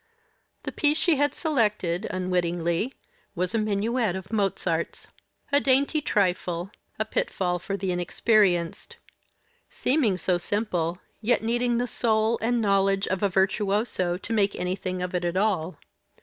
The piece she had selected unwittingly was a Minuet of Mozart's. A dainty trifle; a pitfall for the inexperienced; seeming so simple, yet needing the soul, and knowledge, of a virtuoso to make anything of it at all.